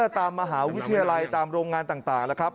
ตามมหาวิทยาลัยตามโรงงานต่างนะครับ